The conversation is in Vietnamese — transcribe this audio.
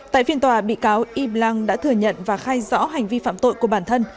tại phiên tòa bị cáo y blang đã thừa nhận và khai rõ hành vi phạm tội của bản thân